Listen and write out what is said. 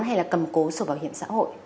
hay là cầm cố sổ bảo hiểm xã hội